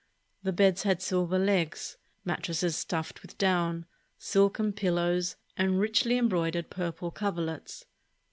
The beds had silver legs, mattresses stuffed with down, silken pillows, and richly embroidered purple coverlets.